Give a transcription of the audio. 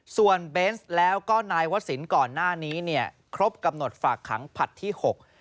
ส่วนเบนส์แล้วก็นายวศิลป์ก่อนหน้านี้เนี่ยครบกำหนดฝากขังผลัดที่หก